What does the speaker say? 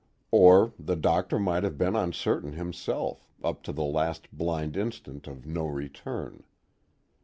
Or the Doctor might have been uncertain himself, up to the last blind instant of no return.